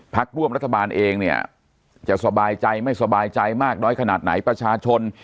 ร่วมรัฐบาลเองเนี่ยจะสบายใจไม่สบายใจมากน้อยขนาดไหนประชาชน